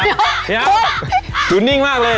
พี่ฮามดูนิ่งมากเลย